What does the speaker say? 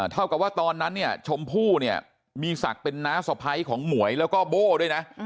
เท่ากับว่าตอนนั้นเนี่ยชมพู่เนี่ยมีศักดิ์เป็นน้าสะพ้ายของหมวยแล้วก็โบ้ด้วยนะ